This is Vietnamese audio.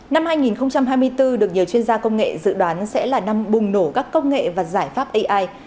năm hai nghìn hai mươi bốn được nhiều chuyên gia công nghệ dự đoán sẽ là năm bùng nổ các công nghệ và giải pháp ai